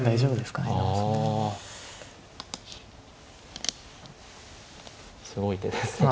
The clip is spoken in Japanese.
すごい手ですね。